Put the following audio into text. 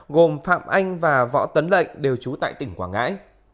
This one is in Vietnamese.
gồm phạm anh và võ tấn lệnh đều trú tại tỉnh quảng ngãi